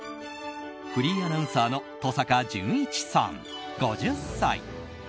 フリーアナウンサーの登坂淳一さん、５０歳。